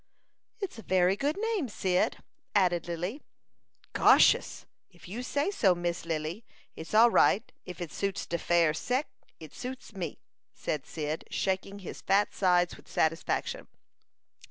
"It's a very good name, Cyd," added Lily. "Goshus! If you say so, Missy Lily, it's all right. If it suits de fair seck, it suits me," said Cyd, shaking his fat sides with satisfaction.